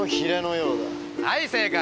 はい正解。